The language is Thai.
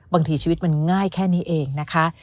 ชีวิตมันง่ายแค่นี้เองนะคะ